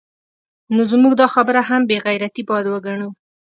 نو زموږ دا خبره هم بې غیرتي باید وګڼو